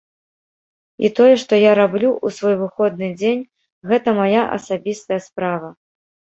І тое, што я раблю ў свой выходны дзень, гэта мая асабістая справа.